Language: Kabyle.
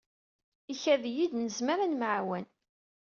Ikad-iyi-d nezmer ad nemɛawan.